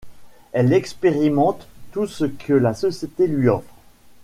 Elle expérimente tout ce que la société lui offre.